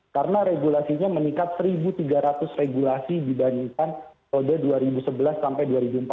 karena regulasinya meningkat seribu tiga ratus regulasi dibandingkan pada dua ribu sebelas sampai dua ribu empat belas